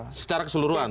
dirubah secara keseluruhan